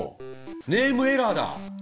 ネームエラーだ。